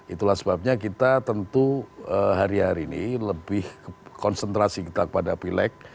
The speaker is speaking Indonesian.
itulah sebabnya kita tentu hari hari ini lebih konsentrasi kita kepada pileg